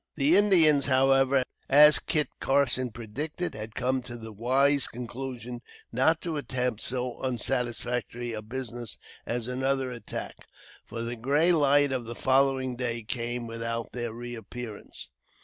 The Indians, however, as Kit Carson predicted, had come to the wise conclusion not to attempt so unsatisfactory a business as another attack, for the grey light of the following day came without their reappearance.